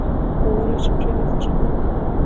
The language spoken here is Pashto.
ښوروا له چمچۍ نه د زړه خوند اخلي.